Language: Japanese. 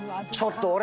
ちょっと。